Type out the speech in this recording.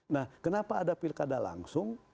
nah kenapa ada pilkada langsung